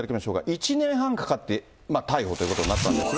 １年半かかって、逮捕ということになったんですが。